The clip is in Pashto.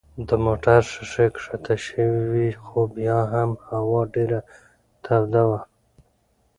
د موټر ښيښې کښته شوې وې خو بیا هم هوا ډېره توده وه.